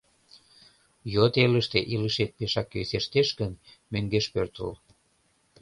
Йот элыште илышет пешак йӧсештеш гын, мӧҥгеш пӧртыл.